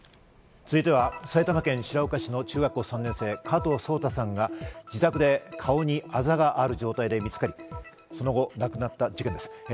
続いては埼玉県白岡市の中学３年生・加藤颯太さんが自宅で顔にあざがある状態で見つかり、その後亡くなった事件です。